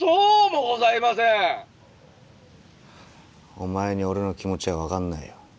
お前に俺の気持ちは分かんないよ。